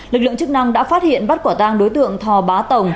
lực lượng chức năng đã phát hiện bắt quả tang đối tượng thò bá tồng